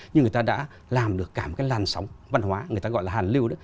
nhưng người ta đã làm được cả một cái làn sóng văn hóa người ta gọi là hàn lưu đấy